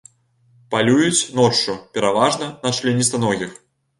Палююць ноччу, пераважна, на членістаногіх.